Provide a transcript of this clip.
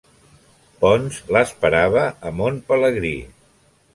Ponç l'esperava a Mont Pelegrí.